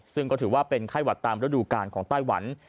ซึ่งก็ถือว่าเป็นไข้หวัดตามฤดูการของไต้หวัน